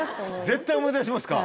絶対思い出しますか。